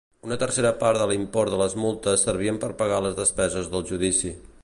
Una tercera part de l'import de les multes servien per pagar les despeses del judici.